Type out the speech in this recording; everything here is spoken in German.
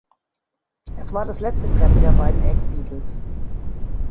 Es war das letzte Treffen der beiden Ex-Beatles.